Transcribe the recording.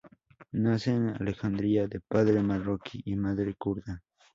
Nace en Alejandría, de padre marroquí y madre kurda.